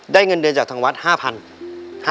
เงินเดือนจากทางวัด๕๐๐บาท